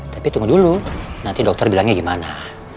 tapi tunggu dulu nanti dokter bilangnya gimana